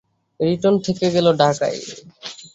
Written থেকে গেল ঢাকায়ই।